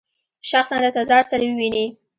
شخصاً له تزار سره وویني.